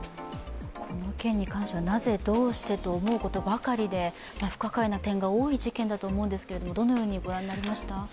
この件に関してはなぜどうしてと思うことばかりで不可解な点が多い事件だと思うんですが、どのようにご覧になりました？